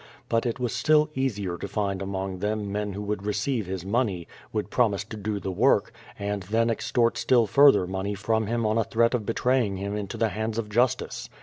But it was still easier to find among them men who would receive his money, would promise to do the work, and then extort still further money from him on a threat of betraying him into the hands of justice.